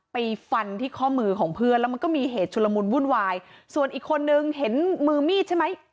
ไปฟันที่ข้อมือของเพื่อนแล้วมันก็มีเหตุชุลมุนวุ่นวายส่วนอีกคนนึงเห็นมือมีดใช่ไหม